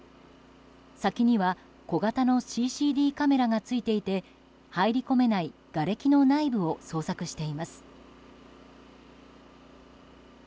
先には小型のＣＣＤカメラがついていて入り込めないがれきの内部を捜索しています。